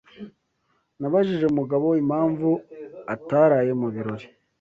Nabajije Mugabo impamvu ataraye mu birori.